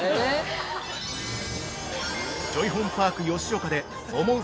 ◆ジョイホンパーク吉岡で思う